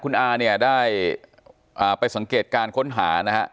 คุณอาเนี่ยได้ไปสังเกตการค้นหานะฮะ